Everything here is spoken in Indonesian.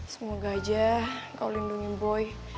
semoga aja kau lindungi boy